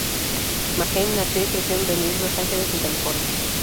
Manheim nació y creció en Venice, Los Ángeles en California.